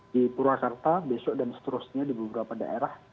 di purwakarta besok dan seterusnya di beberapa daerah